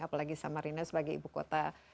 apalagi samarinda sebagai ibu kota kalimantan timur